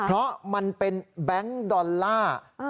เพราะมันเป็นแบงค์ดอลลาร์